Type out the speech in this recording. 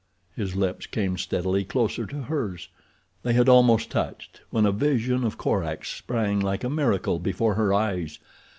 His lips came steadily closer to hers. They had almost touched when a vision of Korak sprang like a miracle before her eyes.